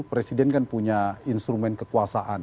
presiden kan punya instrumen kekuasaan